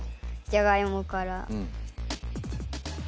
じゃがいもから。